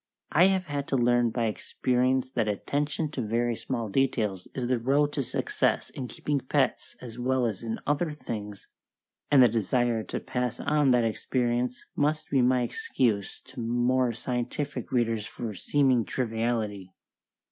I have had to learn by experience that attention to very small details is the road to success in keeping pets as well as in other things, and the desire to pass on that experience must be my excuse to more scientific readers for seeming triviality.